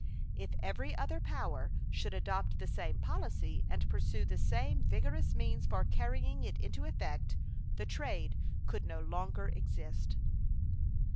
If every other power should adopt the same policy and pursue the same vigorous means for carrying it into effect, the trade could no longer exist.